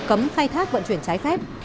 cấm khai thác vận chuyển trái phép